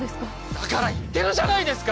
だから言ってるじゃないですか